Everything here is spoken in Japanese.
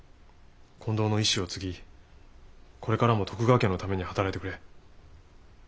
近藤の遺志を継ぎこれからも徳川家のために働いてくれ。